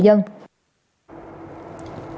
sở công thương